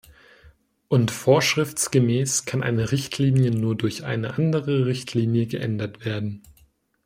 Und vorschriftsgemäß kann eine Richtlinie nur durch eine andere Richtlinie geändert werden.